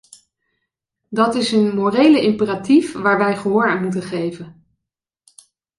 Dat is een morele imperatief waar wij gehoor aan moeten geven.